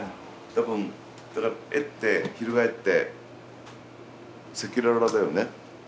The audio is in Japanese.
多分だから絵って翻って赤裸々だよね。